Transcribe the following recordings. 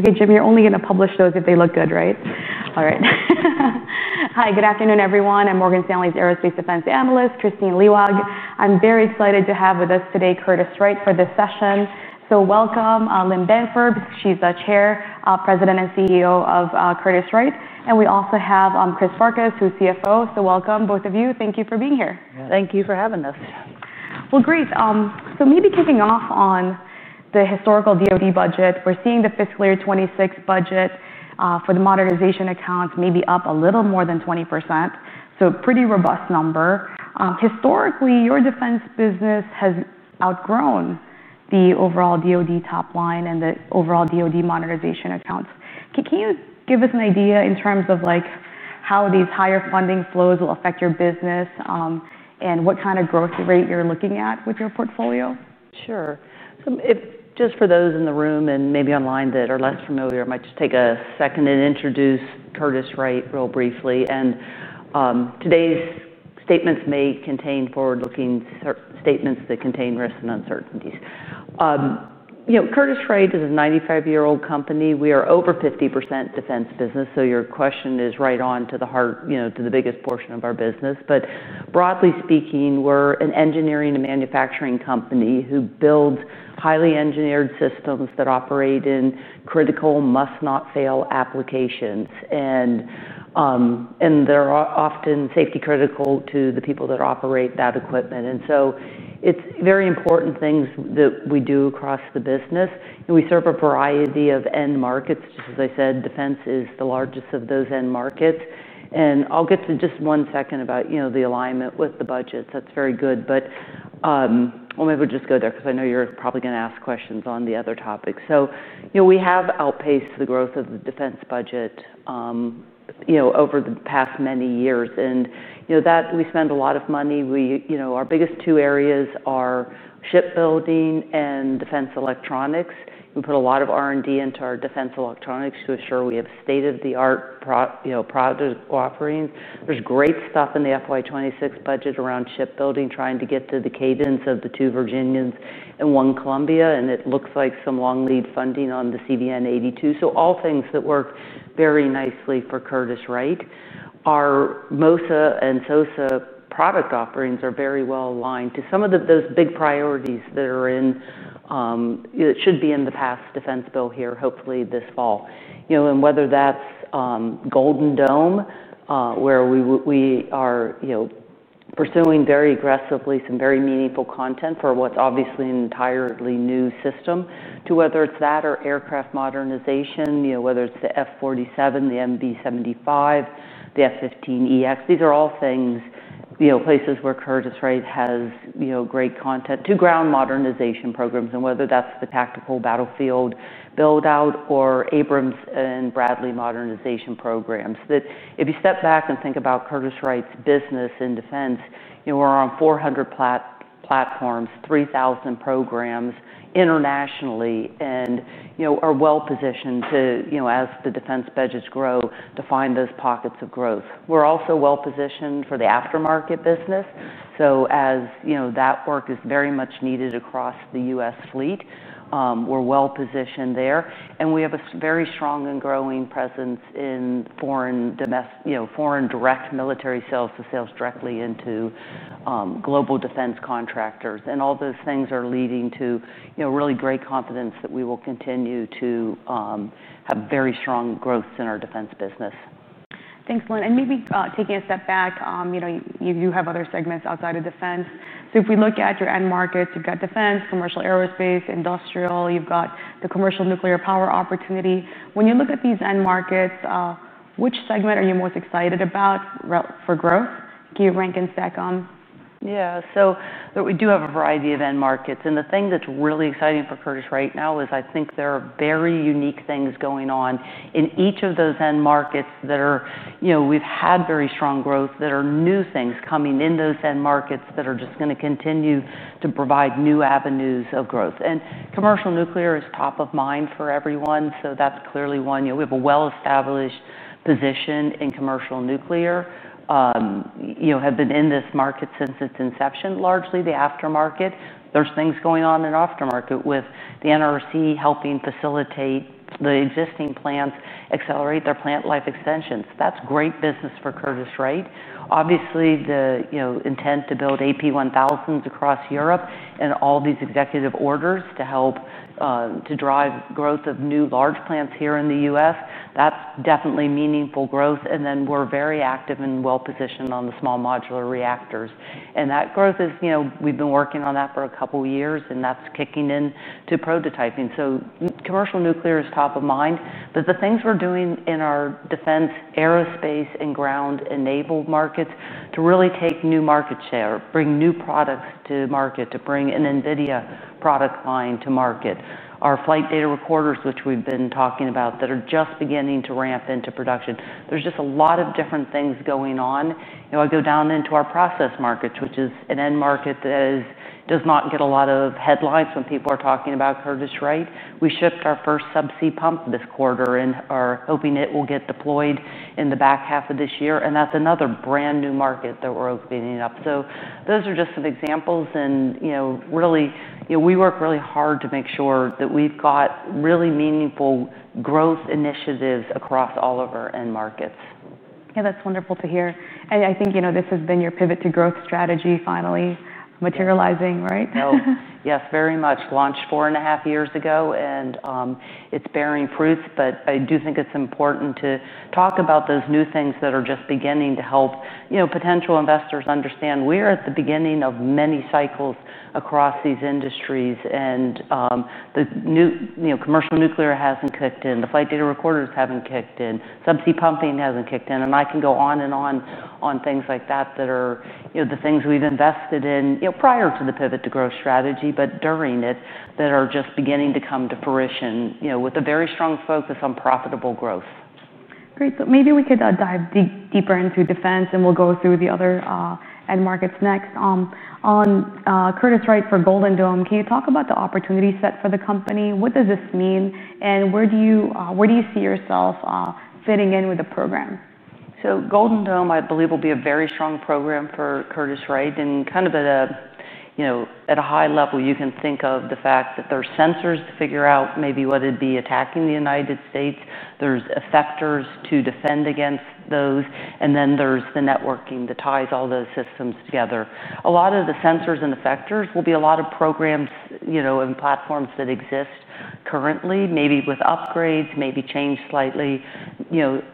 OK, Jim, you're only going to publish those if they look good, right? All right. Hi, good afternoon, everyone. I'm Morgan Stanley's Aerospace & Defense Analyst, Kristine Liwag. I'm very excited to have with us today Curtiss-Wright for this session. Welcome, Lynn Bamford. She's the Chair, President, and CEO of Curtiss-Wright. We also have Chris Farkas, who's CFO. Welcome, both of you. Thank you for being here. Thank you for having us. Maybe kicking off on the historical U.S. DOD budget, we're seeing the fiscal year 2026 budget for the modernization accounts maybe up a little more than 20%, so a pretty robust number. Historically, your defense business has outgrown the overall U.S. DOD top line and the overall U.S. DOD modernization accounts. Can you give us an idea in terms of how these higher funding flows will affect your business and what kind of growth rate you're looking at with your portfolio? Sure. Just for those in the room and maybe online that are less familiar, I might just take a second and introduce Curtiss-Wright real briefly. Today's statements may contain forward-looking statements that contain risks and uncertainties. Curtiss-Wright is a 95-year-old company. We are over 50% defense business. Your question is right on to the heart, to the biggest portion of our business. Broadly speaking, we're an engineering and manufacturing company who builds highly engineered systems that operate in critical must-not-fail applications. They're often safety critical to the people that operate that equipment. It's very important things that we do across the business. We serve a variety of end markets. As I said, defense is the largest of those end markets. I'll get to just one second about the alignment with the budgets. That's very good. I'll maybe just go there, because I know you're probably going to ask questions on the other topics. We have outpaced the growth of the defense budget over the past many years. We spend a lot of money. Our biggest two areas are shipbuilding and defense electronics. We put a lot of R&D into our defense electronics to assure we have state-of-the-art product offerings. There's great stuff in the FY 2026 budget around shipbuilding, trying to get to the cadence of the two Virginia and one Columbia. It looks like some long-lead funding on the CVN 82. All things that work very nicely for Curtiss-Wright. Our MOSA and SOSA product offerings are very well aligned to some of those big priorities that are in that should be in the past defense bill here, hopefully this fall. Whether that's Golden Dome, where we are pursuing very aggressively some very meaningful content for what's obviously an entirely new system, or aircraft modernization, whether it's the F-47, the MB-75, the F-15EX, these are all things, places where Curtiss-Wright has great content to ground modernization programs, and whether that's the tactical battlefield build-out or Abrams and Bradley modernization programs. If you step back and think about Curtiss-Wright's business in defense, we're on 400 platforms, 3,000 programs internationally, and are well positioned to, as the defense budgets grow, to find those pockets of growth. We're also well positioned for the aftermarket business. As that work is very much needed across the U.S. fleet, we're well positioned there. We have a very strong and growing presence in foreign direct military sales, the sales directly into global defense contractors. All those things are leading to really great confidence that we will continue to have very strong growths in our defense business. Thanks, Lynn. Maybe taking a step back, you have other segments outside of defense. If we look at your end markets, you've got defense, commercial aerospace, industrial. You've got the commercial nuclear power opportunity. When you look at these end markets, which segment are you most excited about for growth? Can you rank and stack them? Yeah, so we do have a variety of end markets. The thing that's really exciting for Curtiss-Wright now is I think there are very unique things going on in each of those end markets that we've had very strong growth, that are new things coming in those end markets that are just going to continue to provide new avenues of growth. Commercial nuclear is top of mind for everyone, so that's clearly one. We have a well-established position in commercial nuclear, have been in this market since its inception, largely the aftermarket. There are things going on in the aftermarket with the NRC helping facilitate the existing plants, accelerate their plant life extensions. That's great business for Curtiss-Wright. Obviously, the intent to build AP1000s across Europe and all these executive orders to help drive growth of new large plants here in the United States, that's definitely meaningful growth. We are very active and well positioned on the small modular reactors, and that growth is, we've been working on that for a couple of years, and that's kicking into prototyping. Commercial nuclear is top of mind. The things we're doing in our defense, aerospace, and ground-enabled markets to really take new market share, bring new products to market, to bring an NVIDIA product line to market, our flight data recorders, which we've been talking about that are just beginning to ramp into production. There's just a lot of different things going on. I go down into our process markets, which is an end market that does not get a lot of headlines when people are talking about Curtiss-Wright. We shipped our first subsea pump this quarter and are hoping it will get deployed in the back half of this year. That's another brand new market that we're opening up. Those are just some examples. We work really hard to make sure that we've got really meaningful growth initiatives across all of our end markets. Yeah, that's wonderful to hear. I think this has been your pivot to growth strategy finally materializing, right? Yes, very much. Launched four and a half years ago, and it's bearing fruits. I do think it's important to talk about those new things that are just beginning to help potential investors understand we're at the beginning of many cycles across these industries. The new commercial nuclear hasn't kicked in. The flight data recorders haven't kicked in. Subsea pumping hasn't kicked in. I can go on and on on things like that that are the things we've invested in prior to the pivot to growth strategy, but during it that are just beginning to come to fruition with a very strong focus on profitable growth. Great. Maybe we could dive deeper into defense. We'll go through the other end markets next. On Curtiss-Wright for Golden Dome, can you talk about the opportunity set for the company? What does this mean? Where do you see yourself fitting in with the program? Golden Dome, I believe, will be a very strong program for Curtiss-Wright. At a high level, you can think of the fact that there are sensors to figure out maybe what would be attacking the United States. There's effectors to defend against those, and then there's the networking that ties all those systems together. A lot of the sensors and effectors will be a lot of programs and platforms that exist currently, maybe with upgrades, maybe changed slightly.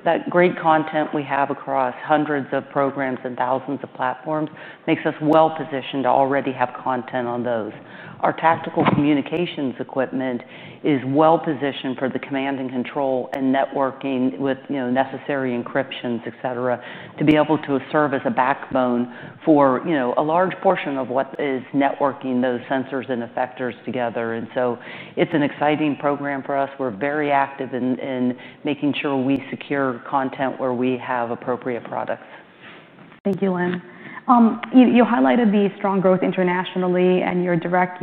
That great content we have across hundreds of programs and thousands of platforms makes us well positioned to already have content on those. Our tactical communications equipment is well positioned for the command and control and networking with necessary encryptions, et cetera, to be able to serve as a backbone for a large portion of what is networking those sensors and effectors together. It's an exciting program for us. We're very active in making sure we secure content where we have appropriate products. Thank you, Lynn. You highlighted the strong growth internationally and your direct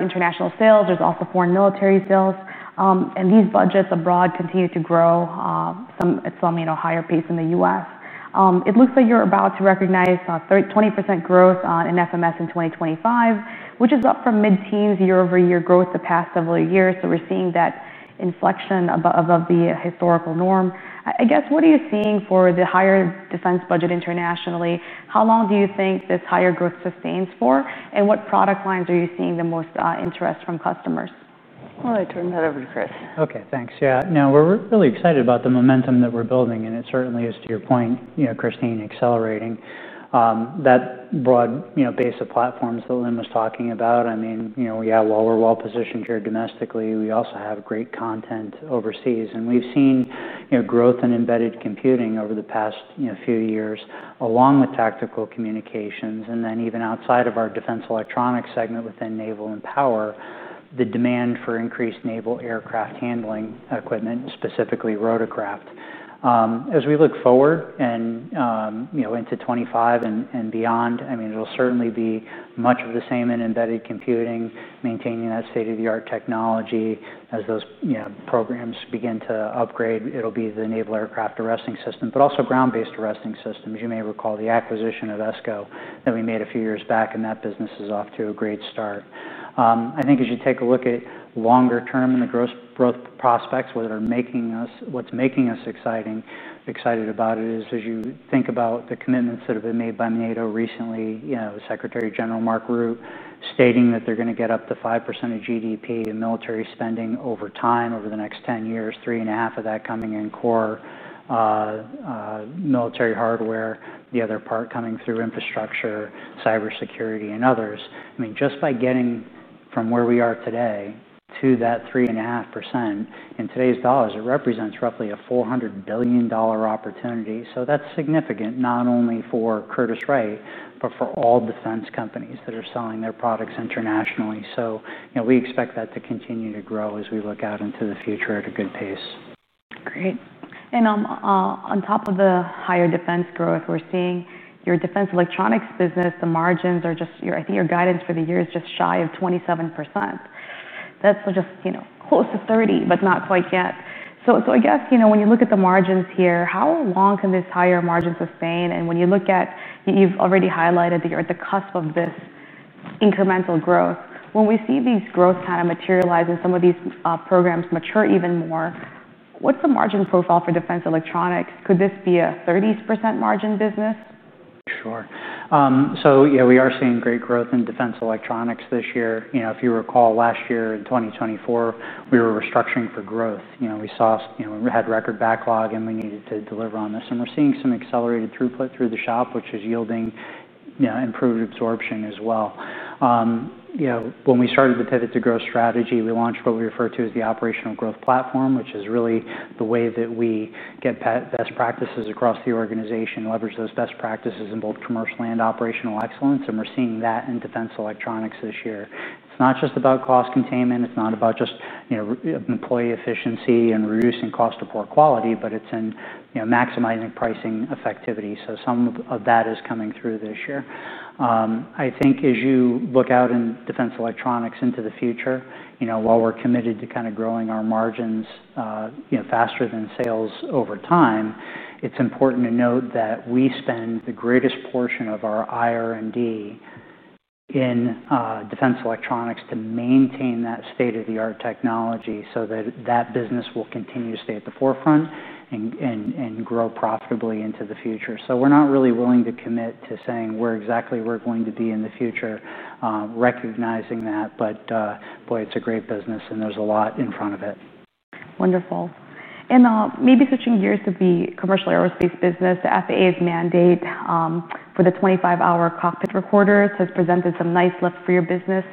international sales. There's also foreign military sales. These budgets abroad continue to grow at some higher pace in the U.S. It looks like you're about to recognize 20% growth in FMS in 2025, which is up from mid-teens year-over-year growth the past several years. We're seeing that inflection above the historical norm. I guess, what are you seeing for the higher defense budget internationally? How long do you think this higher growth sustains for? What product lines are you seeing the most interest from customers? I turn that over to Chris. OK, thanks. Yeah, no, we're really excited about the momentum that we're building. It certainly is, to your point, Kristine, accelerating that broad base of platforms that Lynn was talking about. I mean, yeah, while we're well positioned here domestically, we also have great content overseas. We've seen growth in embedded computing over the past few years along with tactical communications. Even outside of our defense electronics segment within naval and power, the demand for increased naval aircraft handling equipment, specifically rotorcraft. As we look forward and into 2025 and beyond, it'll certainly be much of the same in embedded computing, maintaining that state-of-the-art technology. As those programs begin to upgrade, it'll be the naval aircraft arresting system, but also ground-based arresting systems. You may recall the acquisition of ESCO that we made a few years back. That business is off to a great start. I think as you take a look at longer term and the growth prospects, what's making us excited about it is as you think about the commitments that have been made by NATO recently, Secretary General Mark Rutte stating that they're going to get up to 5% of GDP in military spending over time over the next 10 years, 3.5% of that coming in core military hardware, the other part coming through infrastructure, cybersecurity, and others. Just by getting from where we are today to that 3.5%, in today's dollars, it represents roughly a $400 billion opportunity. That's significant, not only for Curtiss-Wright, but for all defense companies that are selling their products internationally. We expect that to continue to grow as we look out into the future at a good pace. Great. On top of the higher defense growth, we're seeing your defense electronics business, the margins are just, I think your guidance for the year is just shy of 27%. That's just close to 30%, but not quite yet. I guess when you look at the margins here, how long can this higher margin sustain? When you look at, you've already highlighted that you're at the cusp of this incremental growth. When we see these growths kind of materialize and some of these programs mature even more, what's the margin profile for defense electronics? Could this be a 30% margin business? Sure. Yeah, we are seeing great growth in defense electronics this year. If you recall, last year in 2024, we were restructuring for growth. We saw we had a record backlog, and we needed to deliver on this. We're seeing some accelerated throughput through the shop, which is yielding improved absorption as well. When we started the pivot to growth strategy, we launched what we refer to as the operational growth platform, which is really the way that we get best practices across the organization, leverage those best practices in both commercial and operational excellence. We're seeing that in defense electronics this year. It's not just about cost containment. It's not about just employee efficiency and reducing cost of poor quality, but it's in maximizing pricing effectivity. Some of that is coming through this year. I think as you look out in defense electronics into the future, while we're committed to kind of growing our margins faster than sales over time, it's important to note that we spend the greatest portion of our IR&D in defense electronics to maintain that state-of-the-art technology so that that business will continue to stay at the forefront and grow profitably into the future. We're not really willing to commit to saying where exactly we're going to be in the future, recognizing that. Boy, it's a great business, and there's a lot in front of it. Wonderful. Maybe switching gears to the commercial aerospace business, the FAA's mandate for the 25-hour cockpit recorders has presented some nice lifts for your business.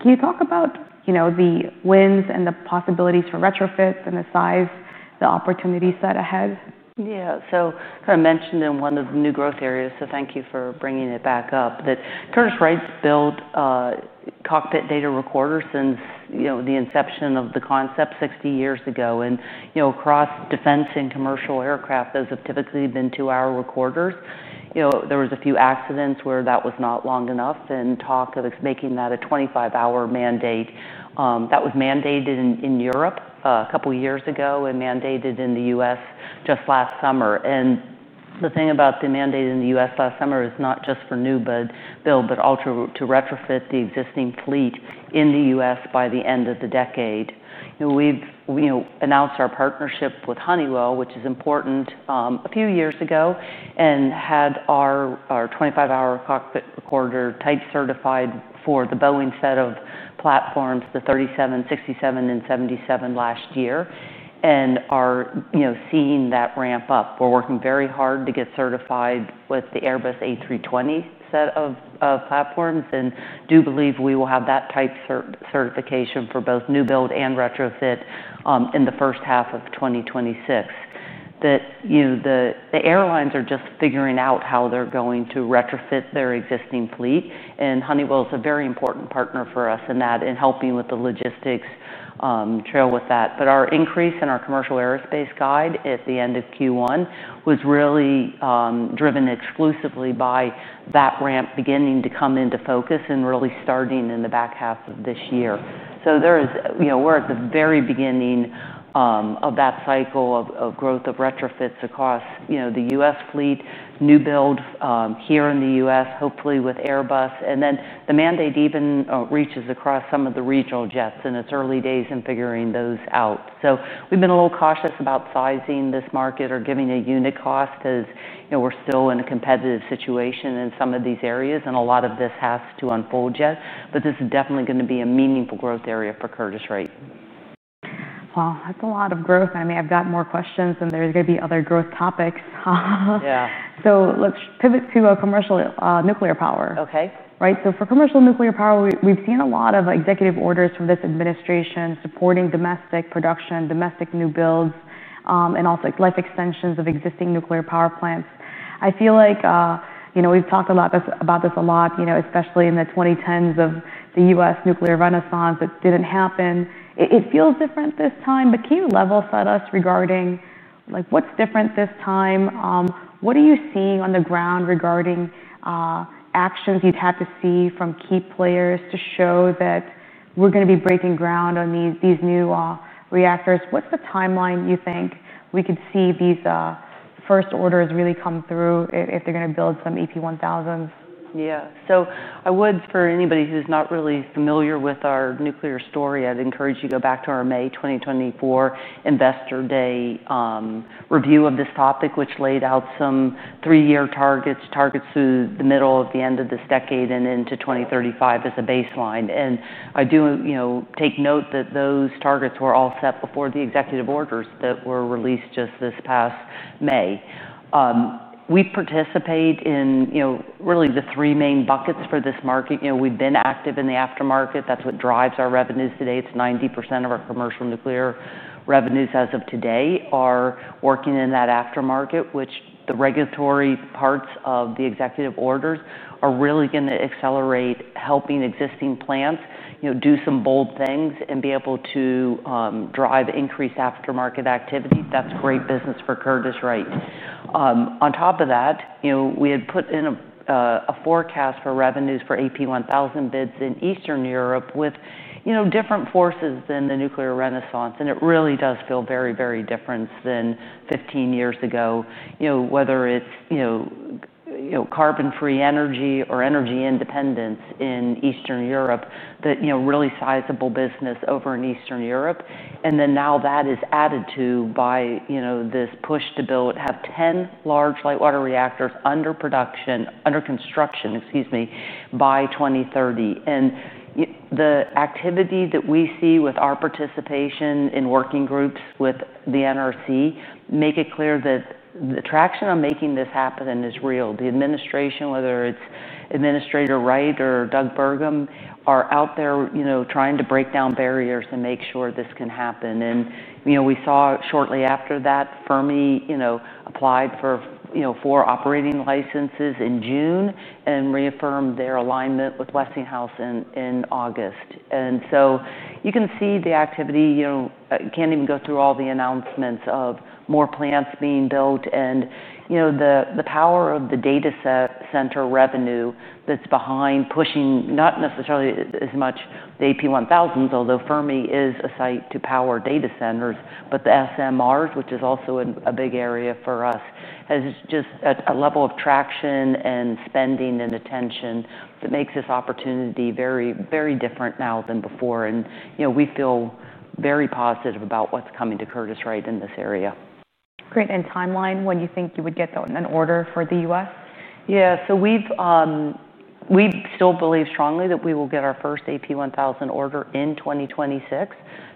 Can you talk about the wins and the possibilities for retrofits and the size, the opportunities set ahead? Yeah, so I kind of mentioned in one of the new growth areas, so thank you for bringing it back up, that Curtiss-Wright built cockpit data recorders since the inception of the concept 60 years ago. Across defense and commercial aircraft, those have typically been two-hour recorders. There were a few accidents where that was not long enough and talk of making that a 25-hour mandate. That was mandated in Europe a couple of years ago and mandated in the U.S. just last summer. The thing about the mandate in the U.S. last summer is not just for new build, but also to retrofit the existing fleet in the U.S. by the end of the decade. We've announced our partnership with Honeywell, which is important, a few years ago, and had our 25-hour cockpit recorder type certified for the Boeing set of platforms, the 737, 767, and 777 last year, and are seeing that ramp up. We're working very hard to get certified with the Airbus A320 set of platforms and do believe we will have that type certification for both new build and retrofit in the first half of 2026. The airlines are just figuring out how they're going to retrofit their existing fleet. Honeywell is a very important partner for us in that, in helping with the logistics trail with that. Our increase in our commercial aerospace guide at the end of Q1 was really driven exclusively by that ramp beginning to come into focus and really starting in the back half of this year. We're at the very beginning of that cycle of growth of retrofits across the U.S. fleet, new build here in the U.S., hopefully with Airbus. The mandate even reaches across some of the regional jets in its early days in figuring those out. We've been a little cautious about sizing this market or giving a unit cost, as we're still in a competitive situation in some of these areas. A lot of this has to unfold yet. This is definitely going to be a meaningful growth area for Curtiss-Wright. Wow, that's a lot of growth. I mean, I've got more questions. There's going to be other growth topics. Yeah. Let's pivot to commercial nuclear power. OK. Right? For commercial nuclear power, we've seen a lot of executive orders from this administration supporting domestic production, domestic new builds, and also life extensions of existing nuclear power plants. I feel like we've talked about this a lot, especially in the 2010s of the U.S. nuclear renaissance. It didn't happen. It feels different this time. Can you level set us regarding what's different this time? What are you seeing on the ground regarding actions you'd have to see from key players to show that we're going to be breaking ground on these new reactors? What's the timeline you think we could see these first orders really come through if they're going to build some AP1000s? Yeah, so I would, for anybody who's not really familiar with our nuclear story, I'd encourage you to go back to our May 2024 Investor Day review of this topic, which laid out some three-year targets, targets through the middle of the end of this decade and into 2035 as a baseline. I do take note that those targets were all set before the executive orders that were released just this past May. We participate in really the three main buckets for this market. We've been active in the aftermarket. That's what drives our revenues today. It's 90% of our commercial nuclear revenues as of today are working in that aftermarket, which the regulatory parts of the executive orders are really going to accelerate, helping existing plants do some bold things and be able to drive increased aftermarket activity. That's great business for Curtiss-Wright. On top of that, we had put in a forecast for revenues for AP1000 bids in Eastern Europe with different forces than the nuclear renaissance. It really does feel very, very different than 15 years ago, whether it's carbon-free energy or energy independence in Eastern Europe, really sizable business over in Eastern Europe. Now that is added to by this push to build, have 10 large light water reactors under production, under construction, excuse me, by 2030. The activity that we see with our participation in working groups with the NRC makes it clear that the traction on making this happen is real. The administration, whether it's Administrator Wright or Doug Burgum, are out there trying to break down barriers and make sure this can happen. We saw shortly after that, Fermi applied for four operating licenses in June and reaffirmed their alignment with Westinghouse in August. You can see the activity. You can't even go through all the announcements of more plants being built. The power of the data center revenue that's behind pushing not necessarily as much the AP1000s, although Fermi is a site to power data centers. The small modular reactors, which is also a big area for us, has just a level of traction and spending and attention that makes this opportunity very, very different now than before. We feel very positive about what's coming to Curtiss-Wright in this area. What is the timeline when you think you would get an order for the U.S.? Yeah, we still believe strongly that we will get our first AP1000 order in 2026.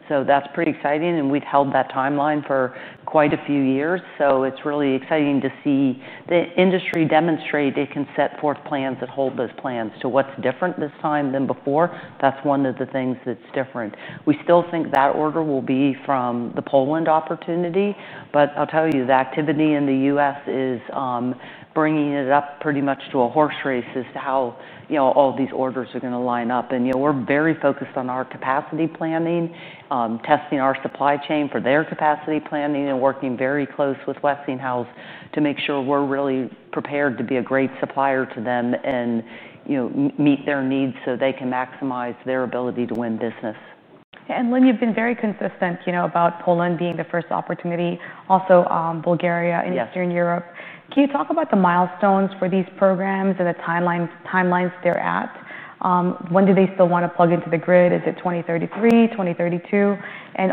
That's pretty exciting, and we've held that timeline for quite a few years. It's really exciting to see the industry demonstrate it can set forth plans and hold those plans. One of the things that's different this time than before is just that. We still think that order will be from the Poland opportunity. I'll tell you, the activity in the U.S. is bringing it up pretty much to a horse race as to how all these orders are going to line up. We're very focused on our capacity planning, testing our supply chain for their capacity planning, and working very close with Westinghouse to make sure we're really prepared to be a great supplier to them and meet their needs so they can maximize their ability to win business. Lynn, you've been very consistent about Poland being the first opportunity, also Bulgaria in Eastern Europe. Can you talk about the milestones for these programs and the timelines they're at? When do they still want to plug into the grid? Is it 2033, 2032?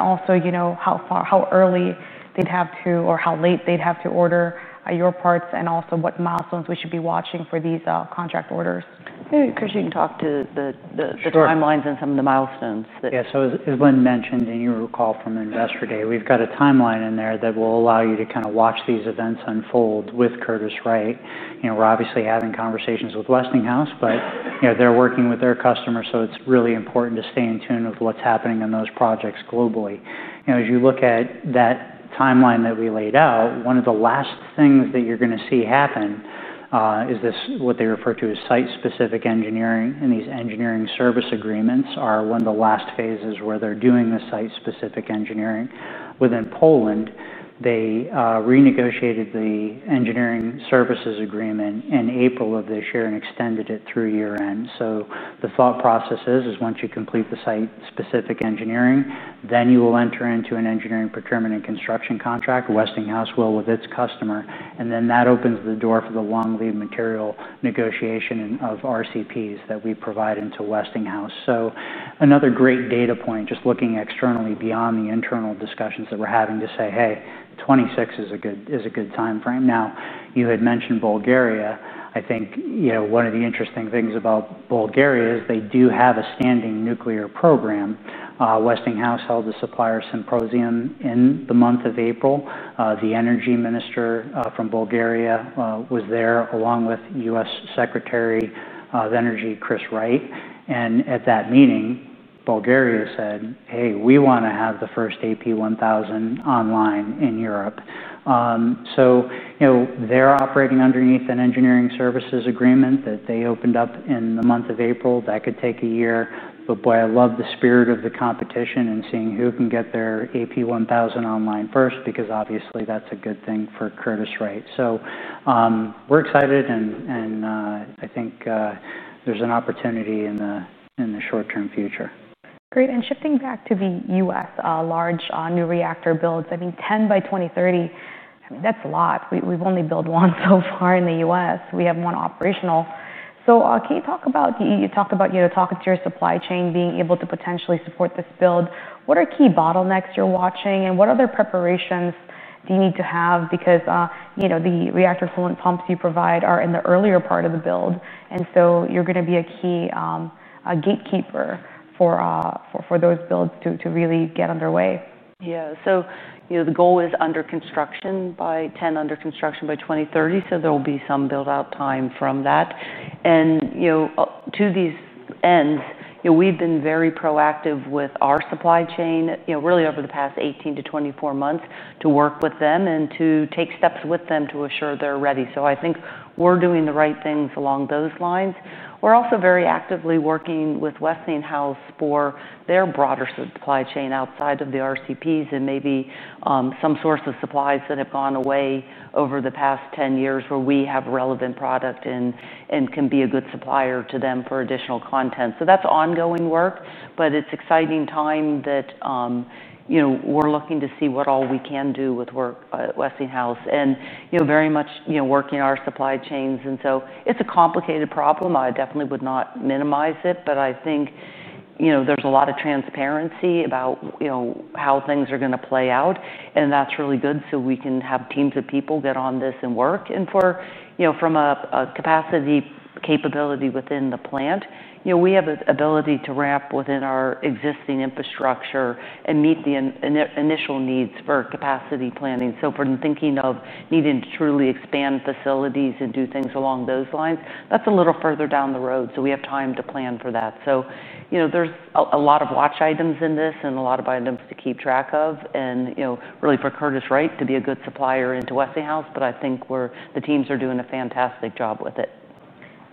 Also, how early they'd have to or how late they'd have to order your parts and what milestones we should be watching for these contract orders? Hey, Chris can talk to the timelines and some of the milestones. Yeah, as Lynn mentioned in your call from Investor Day, we've got a timeline in there that will allow you to kind of watch these events unfold with Curtiss-Wright. We're obviously having conversations with Westinghouse, but they're working with their customers. It's really important to stay in tune with what's happening in those projects globally. As you look at that timeline that we laid out, one of the last things that you're going to see happen is what they refer to as site-specific engineering. These engineering service agreements are one of the last phases where they're doing the site-specific engineering. Within Poland, they renegotiated the engineering services agreement in April of this year and extended it through year-end. The thought process is, once you complete the site-specific engineering, you will enter into an engineering procurement and construction contract, Westinghouse will with its customer. That opens the door for the long-lead material negotiation of RCPs that we provide into Westinghouse. Another great data point, just looking externally beyond the internal discussions that we're having to say, hey, 2026 is a good time frame. You had mentioned Bulgaria. I think one of the interesting things about Bulgaria is they do have a standing nuclear program. Westinghouse held a supplier symposium in the month of April. The energy minister from Bulgaria was there, along with U.S. Secretary of Energy, Chris Wright. At that meeting, Bulgaria said, hey, we want to have the first AP1000 online in Europe. They're operating underneath an engineering services agreement that they opened up in the month of April. That could take a year. I love the spirit of the competition and seeing who can get their AP1000 online first, because obviously that's a good thing for Curtiss-Wright. We're excited. I think there's an opportunity in the short-term future. Great. Shifting back to the U.S., large new reactor builds, 10 by 2030, that's a lot. We've only built one so far in the U.S. We have one operational. Can you talk about, you talked about talking to your supply chain, being able to potentially support this build. What are key bottlenecks you're watching? What other preparations do you need to have? The reactor coolant pumps you provide are in the earlier part of the build, so you're going to be a key gatekeeper for those builds to really get underway. Yeah, so the goal is under construction by 10, under construction by 2030. There will be some build-out time from that. To these ends, we've been very proactive with our supply chain, really over the past 18-24 months, to work with them and to take steps with them to assure they're ready. I think we're doing the right things along those lines. We're also very actively working with Westinghouse for their broader supply chain outside of the RCPs and maybe some source of supplies that have gone away over the past 10 years where we have relevant product and can be a good supplier to them for additional content. That's ongoing work. It's an exciting time that we're looking to see what all we can do with Westinghouse and very much working our supply chains. It's a complicated problem. I definitely would not minimize it. I think there's a lot of transparency about how things are going to play out. That's really good so we can have teams of people get on this and work. From a capacity capability within the plant, we have the ability to ramp within our existing infrastructure and meet the initial needs for capacity planning. For thinking of needing to truly expand facilities and do things along those lines, that's a little further down the road. We have time to plan for that. There's a lot of watch items in this and a lot of items to keep track of and really for Curtiss-Wright to be a good supplier into Westinghouse. I think the teams are doing a fantastic job with it.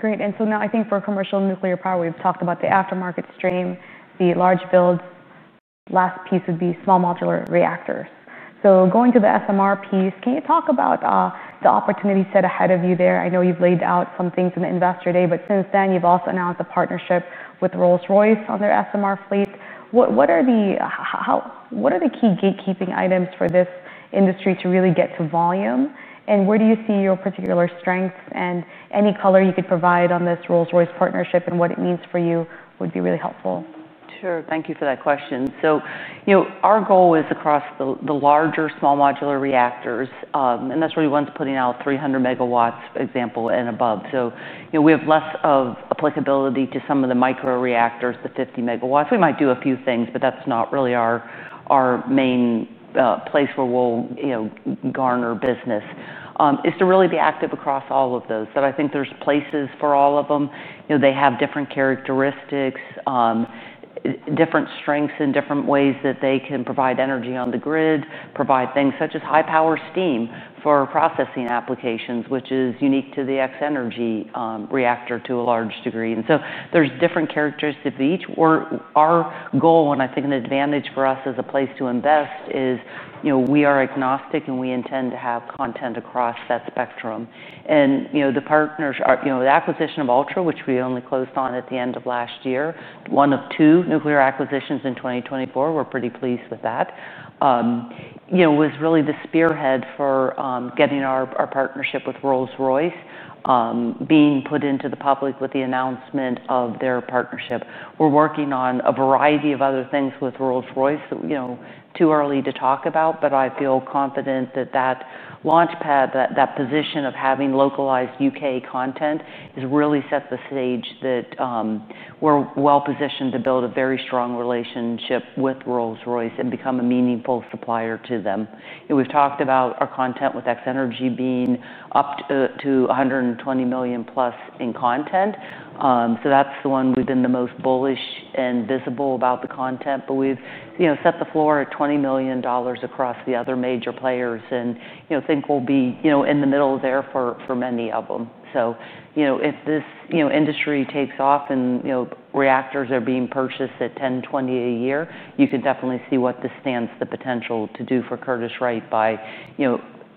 Great. I think for commercial nuclear power, we've talked about the aftermarket stream, the large builds. The last piece would be small modular reactors. Going to the SMR piece, can you talk about the opportunity set ahead of you there? I know you've laid out some things in the Investor Day, but since then, you've also announced the partnership with Rolls-Royce on their SMR fleet. What are the key gatekeeping items for this industry to really get to volume? Where do you see your particular strengths? Any color you could provide on this Rolls-Royce partnership and what it means for you would be really helpful. Sure, thank you for that question. Our goal is across the larger small modular reactors, and that's really ones putting out 300 MW, example, and above. We have less applicability to some of the micro reactors, the 50 MW. We might do a few things, but that's not really our main place where we'll garner business, is to really be active across all of those. I think there's places for all of them. They have different characteristics, different strengths, and different ways that they can provide energy on the grid, provide things such as high-power steam for processing applications, which is unique to the X Energy reactor to a large degree. There's different characteristics of each. Our goal, and I think an advantage for us as a place to invest, is we are agnostic. We intend to have content across that spectrum. The acquisition of Ultra, which we only closed on at the end of last year, one of two nuclear acquisitions in 2024, we're pretty pleased with that, was really the spearhead for getting our partnership with Rolls-Royce being put into the public with the announcement of their partnership. We're working on a variety of other things with Rolls-Royce, too early to talk about. I feel confident that that launchpad, that position of having localized U.K. content, has really set the stage that we're well positioned to build a very strong relationship with Rolls-Royce and become a meaningful supplier to them. We've talked about our content with X Energy being up to $120+ million in content. That's the one we've been the most bullish and visible about the content. We've set the floor at $20 million across the other major players and think we'll be in the middle there for many of them. If this industry takes off and reactors are being purchased at 10, 20 a year, you can definitely see what this stands, the potential to do for Curtiss-Wright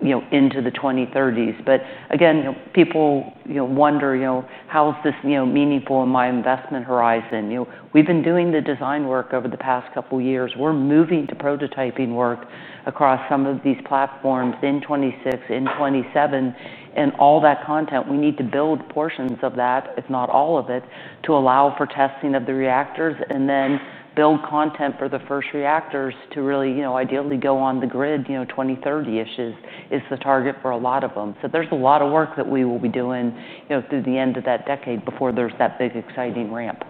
into the 2030s. People wonder, how is this meaningful in my investment horizon? We've been doing the design work over the past couple of years. We're moving to prototyping work across some of these platforms in 2026, in 2027, and all that content. We need to build portions of that, if not all of it, to allow for testing of the reactors and then build content for the first reactors to really ideally go on the grid. 2030-ish is the target for a lot of them. There's a lot of work that we will be doing through the end of that decade before there's that big exciting ramp.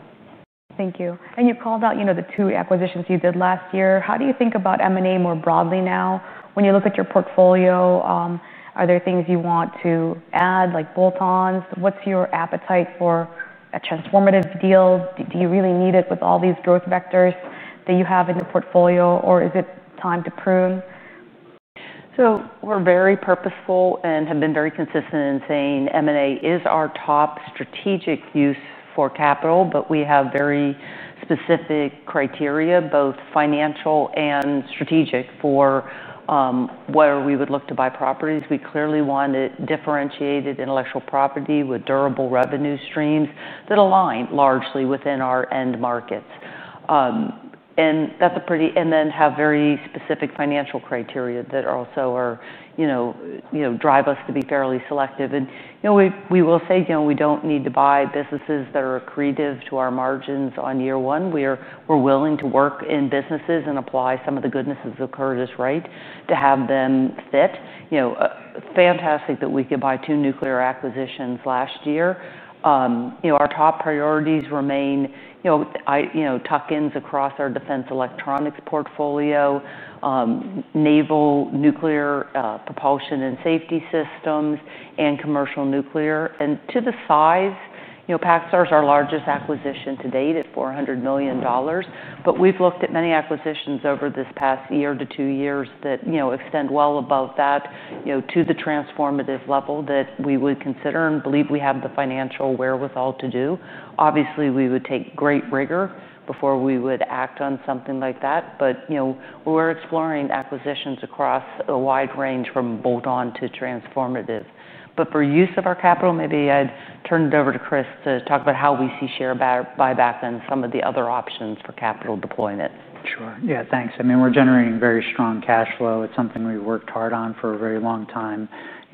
Thank you. You called out the two acquisitions you did last year. How do you think about M&A more broadly now when you look at your portfolio? Are there things you want to add, like bolt-ons? What's your appetite for a transformative deal? Do you really need it with all these growth vectors that you have in the portfolio? Is it time to prune? We are very purposeful and have been very consistent in saying M&A is our top strategic use for capital. We have very specific criteria, both financial and strategic, for where we would look to buy properties. We clearly wanted differentiated intellectual property with durable revenue streams that align largely within our end markets. We have very specific financial criteria that also drive us to be fairly selective. We will say we do not need to buy businesses that are accretive to our margins on year one. We are willing to work in businesses and apply some of the goodnesses of Curtiss-Wright to have them fit. It is fantastic that we could buy two nuclear acquisitions last year. Our top priorities remain tuck-ins across our defense electronics portfolio, naval nuclear propulsion and safety systems, and commercial nuclear. To the size, PacStar is our largest acquisition to date at $400 million. We have looked at many acquisitions over this past year to two years that extend well above that to the transformative level that we would consider and believe we have the financial wherewithal to do. Obviously, we would take great rigor before we would act on something like that. We are exploring acquisitions across a wide range from bolt-on to transformative. For use of our capital, maybe I would turn it over to Chris to talk about how we see share buyback and some of the other options for capital deployment. Sure. Yeah, thanks. I mean, we're generating very strong cash flow. It's something we've worked hard on for a very long time.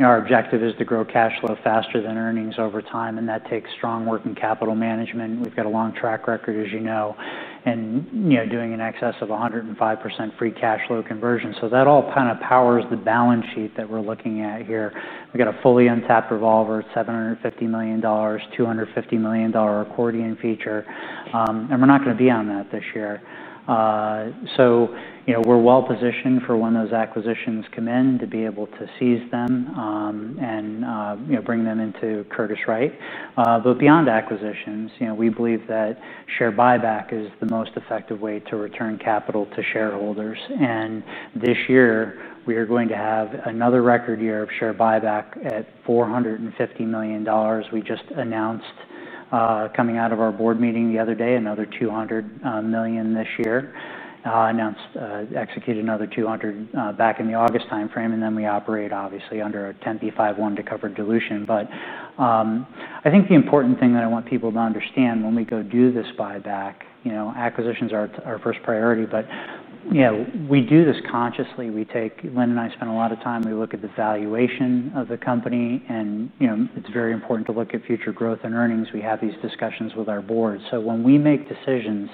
Our objective is to grow cash flow faster than earnings over time. That takes strong work in capital management. We've got a long track record, as you know, and doing in excess of 105% free cash flow conversion. That all kind of powers the balance sheet that we're looking at here. We've got a fully untapped revolver, $750 million, $250 million accordion feature. We're not going to be on that this year. We're well positioned for when those acquisitions come in to be able to seize them and bring them into Curtiss-Wright. Beyond acquisitions, we believe that share buyback is the most effective way to return capital to shareholders. This year, we are going to have another record year of share buyback at $450 million. We just announced, coming out of our board meeting the other day, another $200 million this year, executed another $200 million back in the August time frame. We operate, obviously, under a 10b5-1 to cover dilution. I think the important thing that I want people to understand when we go do this buyback, acquisitions are our first priority. We do this consciously. Lynn and I spend a lot of time. We look at the valuation of the company. It's very important to look at future growth and earnings. We have these discussions with our board. When we make decisions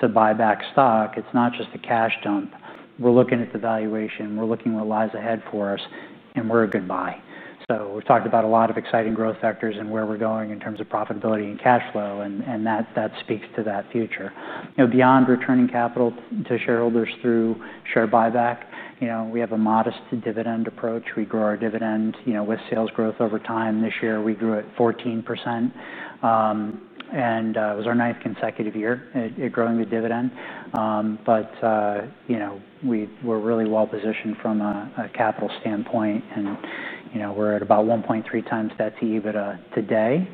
to buy back stock, it's not just a cash dump. We're looking at the valuation. We're looking at what lies ahead for us. We're a good buy. We've talked about a lot of exciting growth vectors and where we're going in terms of profitability and cash flow. That speaks to that future. Beyond returning capital to shareholders through share buyback, we have a modest dividend approach. We grow our dividend with sales growth over time. This year, we grew it 14%. It was our ninth consecutive year growing the dividend. We're really well positioned from a capital standpoint. We're at about 1.3x debt to EBITDA today.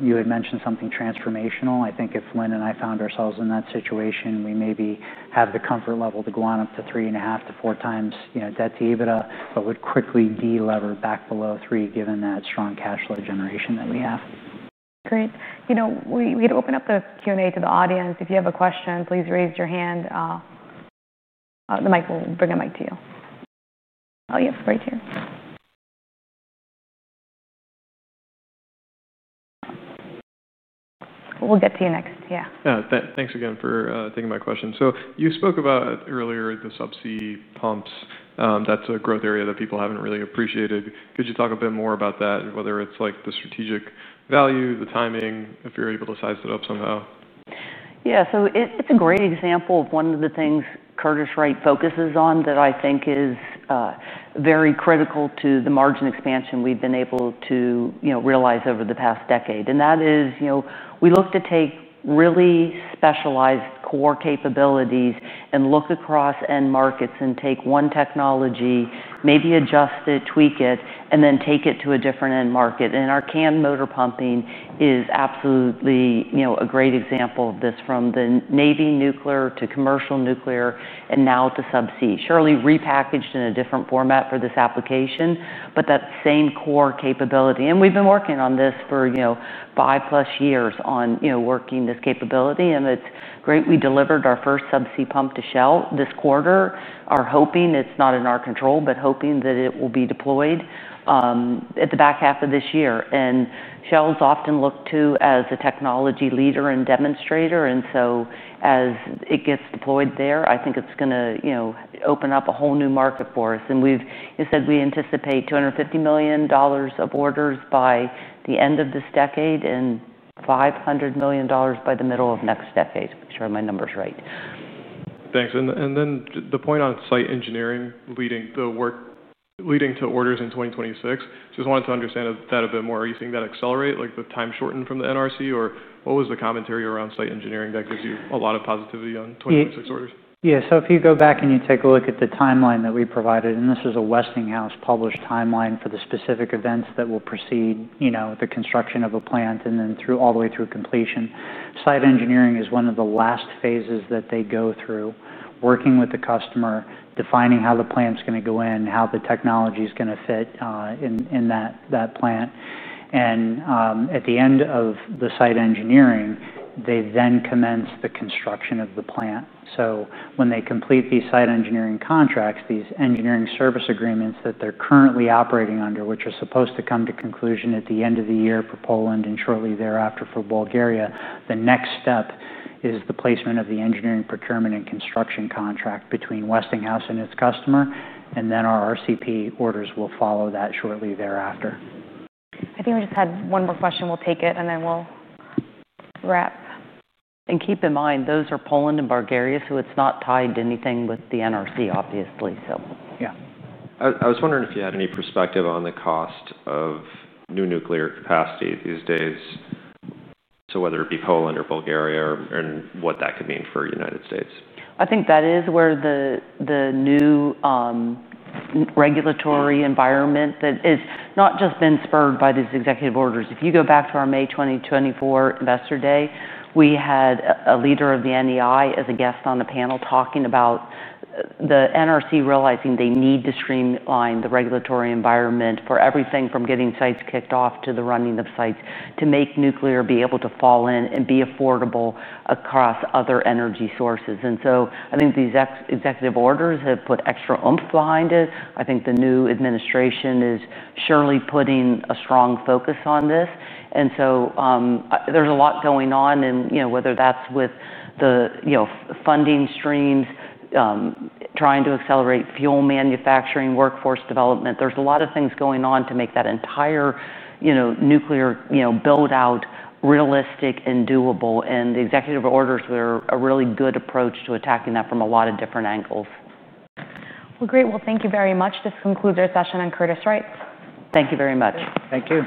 You had mentioned something transformational. I think if Lynn and I found ourselves in that situation, we maybe have the comfort level to go on up to 3.5x-4x debt to EBITDA, but would quickly de-lever back below 3x, given that strong cash flow generation that we have. Great. We had opened up the Q&A to the audience. If you have a question, please raise your hand. The mic will bring a mic to you. Yes, right here. We'll get to you next, yeah. Thanks again for taking my question. You spoke about earlier the subsea pumps. That's a growth area that people haven't really appreciated. Could you talk a bit more about that, whether it's like the strategic value, the timing, if you're able to size it up somehow? Yeah, so it's a great example of one of the things Curtiss-Wright focuses on that I think is very critical to the margin expansion we've been able to realize over the past decade. That is, we look to take really specialized core capabilities and look across end markets and take one technology, maybe adjust it, tweak it, and then take it to a different end market. Our canned motor pumping is absolutely a great example of this, from the Navy nuclear to commercial nuclear and now to subsea, surely repackaged in a different format for this application, but that same core capability. We've been working on this for five plus years on working this capability. It's great we delivered our first subsea pump to Shell this quarter. We're hoping it's not in our control, but hoping that it will be deployed at the back half of this year. Shell is often looked to as a technology leader and demonstrator. As it gets deployed there, I think it's going to open up a whole new market for us. You said, we anticipate $250 million of orders by the end of this decade and $500 million by the middle of next decade. Make sure my number's right. Thanks. The point on site engineering leading to orders in 2026, I just wanted to understand that a bit more. Are you seeing that accelerate, like the time shortened from the NRC? What was the commentary around site engineering that gives you a lot of positivity on 2026 orders? Yeah, if you go back and you take a look at the timeline that we provided, and this is a Westinghouse published timeline for the specific events that will precede the construction of a plant and then all the way through completion, site engineering is one of the last phases that they go through, working with the customer, defining how the plant's going to go in, how the technology is going to fit in that plant. At the end of the site engineering, they then commence the construction of the plant. When they complete these site engineering contracts, these engineering service agreements that they're currently operating under, which are supposed to come to conclusion at the end of the year for Poland and shortly thereafter for Bulgaria, the next step is the placement of the engineering procurement and construction contract between Westinghouse and its customer. Our RCP orders will follow that shortly thereafter. I think we just had one more question. We'll take it, and then we'll wrap. Keep in mind, those are Poland and Bulgaria. It's not tied to anything with the NRC, obviously. Yeah, I was wondering if you had any perspective on the cost of new nuclear capacity these days, whether it be Poland or Bulgaria, and what that could mean for the United States. I think that is where the new regulatory environment that has not just been spurred by these executive orders. If you go back to our May 2024 Investor Day, we had a leader of the NEI as a guest on the panel talking about the NRC realizing they need to streamline the regulatory environment for everything from getting sites kicked off to the running of sites to make nuclear be able to fall in and be affordable across other energy sources. I think these executive orders have put extra oomph behind it. I think the new administration is surely putting a strong focus on this. There's a lot going on. Whether that's with the funding streams, trying to accelerate fuel manufacturing, workforce development, there's a lot of things going on to make that entire nuclear build-out realistic and doable. The executive orders are a really good approach to attacking that from a lot of different angles. Thank you very much. This concludes our session on Curtiss-Wright. Thank you very much. Thank you.